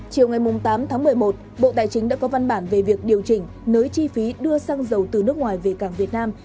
chiều ngày tám tháng một mươi một bộ tài chính đã có văn bản về việc điều chỉnh nới chi phí đưa xăng dầu từ nước ngoài về cảng việt nam